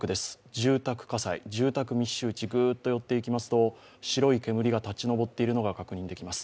住宅密集地、ぐっと寄っていきますと白い煙が立ち上っているのが確認できます。